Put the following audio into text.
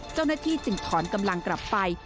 เจ้าหน้าที่จึงถอนกำลังกลับไป